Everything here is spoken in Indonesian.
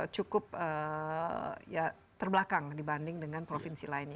cukup ya terbelakang dibanding dengan provinsi lainnya